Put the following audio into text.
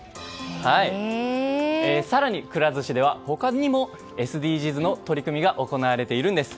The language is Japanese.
更に、くら寿司では他にもＳＤＧｓの取り組みが行われているんです。